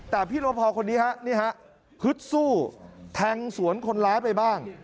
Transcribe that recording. แต่พี่รบพอคนนี้ฮะนี่ฮะฮึดสู้แทงสวนคนร้ายไปบ้าง